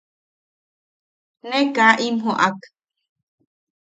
Ne kaa im joʼak.